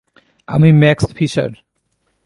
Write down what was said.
আমি Max fisher.